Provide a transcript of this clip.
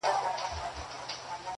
چي د کوچ خبر یې جام د اجل راسي-